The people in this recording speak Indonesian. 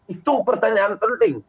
itu pertanyaan penting